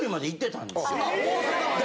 大阪まで？